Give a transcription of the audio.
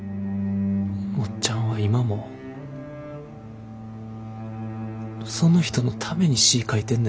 おっちゃんは今もその人のために詩ぃ書いてんねんな。